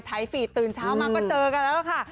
ฟีดตื่นเช้ามาก็เจอกันแล้วค่ะ